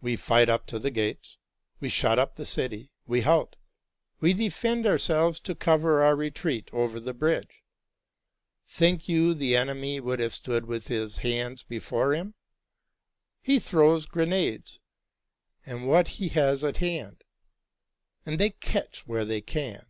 We fight up to the gates, we shut up the city, we halt, we defend ourselves to cover our retreat over the bridge. Think you the enemy would have stood with his hands before him? He throws grenades, and what he has at hand; and they catch where they can.